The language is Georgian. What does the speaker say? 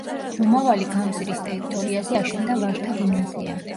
მომავალი გამზირის ტერიტორიაზე აშენდა ვაჟთა გიმნაზია.